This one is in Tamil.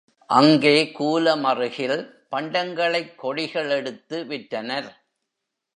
அங்கே கூலமறுகில் பண்டங்களைக் கொடிகள் எடுத்து விற்றனர்.